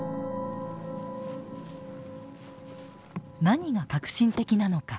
何が革新的なのか。